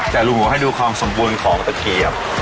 แต่ลุงหมูให้ดูความสมบูรณ์ของตะเคียบ